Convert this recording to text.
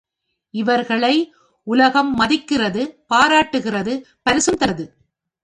இவர்களை உலகம் மதிக்கிறது பாராட்டுகிறது பரிசும் தருகிறது.